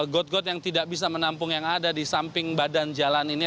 got got yang tidak bisa menampung yang ada di samping badan jalan ini